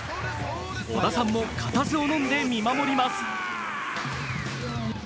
織田さんもかたずをのんで見守ります。